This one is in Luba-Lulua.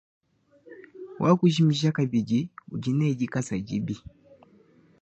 Wakujimija kabidi udi ne dikasa dibi.